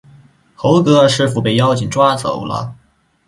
猴哥，师父被妖精抓走了